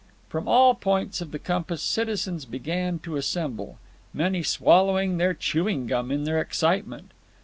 From all points of the compass citizens began to assemble, many swallowing their chewing gum in their excitement.